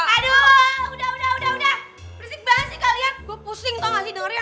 aduh udah udah udah berisik banget sih kalian gue pusing tau gak sih dengernya